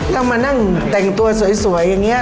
ต้องมานั่งแต่งตัวสวยอย่างนี้